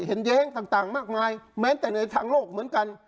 แย้งต่างมากมายแม้แต่ในทางโลกเหมือนกัน